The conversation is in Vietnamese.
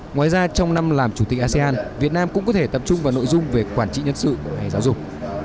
ngoài ra trong năm làm chủ tịch asean việt nam cũng có thể tập trung vào nội dung về quản trị nhân sự hay giáo dục